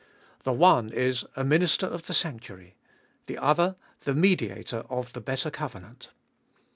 The one is, a Minister of the sanctuary, the other, the Mediator of the better covenant.